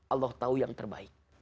allah tahu yang terbaik